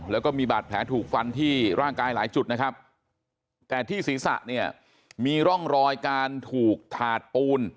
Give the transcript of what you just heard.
แล้วก็มีบาดแผลถูกฟันที่ร่างกายหลายจุดนะครับแต่ที่ศีรษะเนี่ยมีร่องรอยการถูกถาดปูน